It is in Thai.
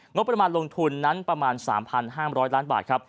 งบประมาณลงทุนนั้นประมาณ๓๕๐๐ล้านบาทครับ